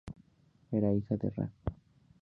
Era hija de Ra.